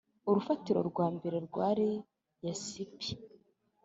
Urufatiro rwa mbere rwari yasipi,